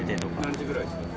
何時ぐらいですか？